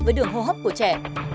với đường hô hấp của trẻ